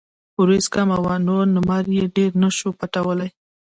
وريځ کمه وه نو نمر يې ډېر نۀ شو پټولے ـ